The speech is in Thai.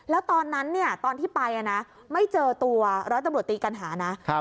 แล้วตอนนั้นเนี่ยตอนที่ไปนะไม่เจอตัวร้อยตำรวจตีกัณหานะ